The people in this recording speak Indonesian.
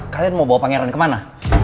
kalian mau bawa pangeran kemana